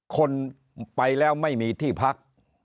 คนไปแล้วไม่มีที่พัก